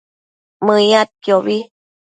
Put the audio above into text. Mëyadquiobi